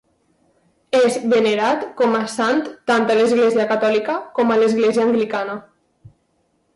És venerat com a sant tant a l'Església Catòlica com a l'Església Anglicana.